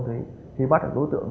thì bắt được đối tượng